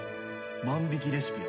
万引レシピ。